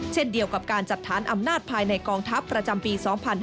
เช่นเดียวกับการจัดฐานอำนาจภายในกองทัพประจำปี๒๕๕๙